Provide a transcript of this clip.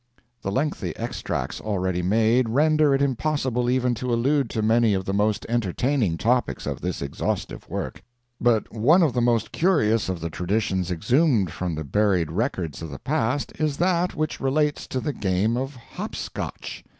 The lengthy extracts already made render it impossible even to allude to many of the most entertaining topics of this exhaustive work; but one of the most curious of the traditions exhumed from the buried records of the past is that which relates to the game of hop Scotch.